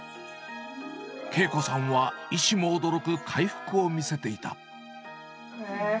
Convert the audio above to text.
慶子さんは医師も驚く回復を見せていた。